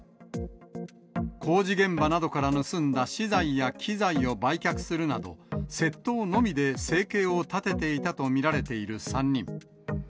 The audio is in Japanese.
工事現場などから盗んだ資材や機材を売却するなど、窃盗のみで生計を立てていたと見られる３人。